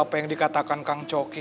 apa yang dikatakan kang coki